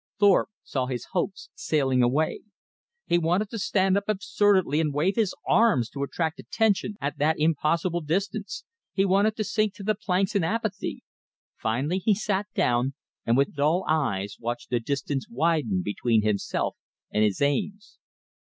Thorpe saw his hopes sailing away. He wanted to stand up absurdly and wave his arms to attract attention at that impossible distance. He wanted to sink to the planks in apathy. Finally he sat down, and with dull eyes watched the distance widen between himself and his aims.